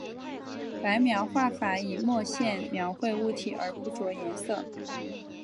白描画法以墨线描绘物体而不着颜色。